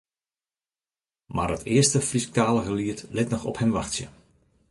Mar it earste Frysktalige liet lit noch op him wachtsje.